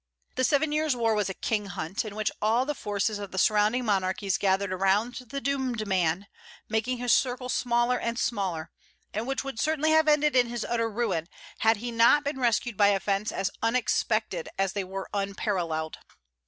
The Seven Years' War was a king hunt, in which all the forces of the surrounding monarchies gathered around the doomed man, making his circle smaller and smaller, and which would certainly have ended in his utter ruin, had he not been rescued by events as unexpected as they were unparalleled.